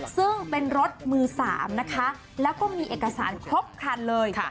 ซึ่งเป็นรถมือ๓นะคะแล้วก็มีเอกสารครบคันเลย